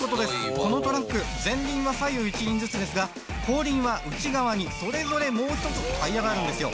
このトラック前輪は左右１輪ずつですが後輪は内側にそれぞれもう一つタイヤがあるんですよ